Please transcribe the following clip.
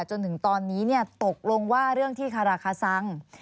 จนถึงตอนนี้ตกลงว่าเรื่องที่คาราคาซัง